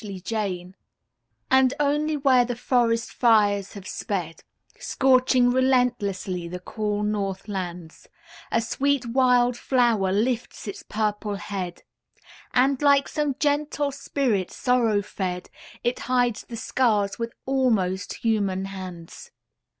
FIRE FLOWERS And only where the forest fires have sped, Scorching relentlessly the cool north lands, A sweet wild flower lifts its purple head, And, like some gentle spirit sorrow fed, It hides the scars with almost human hands.